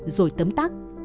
rồi tấm tắc